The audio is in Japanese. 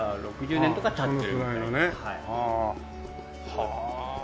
はあ。